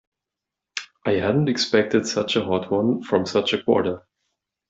I hadn't expected such a hot one from such a quarter.